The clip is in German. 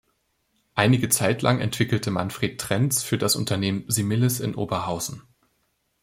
Einige Zeit lang entwickelte Manfred Trenz für das Unternehmen "Similis" in Oberhausen.